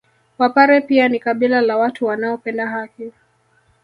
Wapare pia ni kabila la watu wanaopenda haki